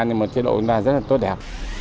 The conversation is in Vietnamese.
nhưng mà chế độ của chúng ta rất là tốt đẹp